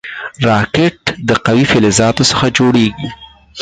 راکټ د قوي فلزاتو څخه جوړېږي